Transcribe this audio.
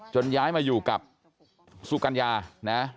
ย้ายมาอยู่กับสุกัญญานะ